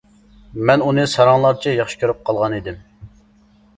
مەن ئۇنى ساراڭلارچە ياخشى كۆرۈپ قالغانىدىم.